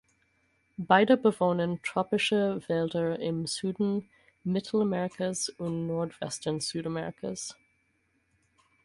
Beide bewohnen tropische Wälder im Süden Mittelamerikas und Nordwesten Südamerikas.